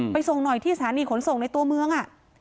ส่งหน่อยที่สถานีขนส่งในตัวเมือง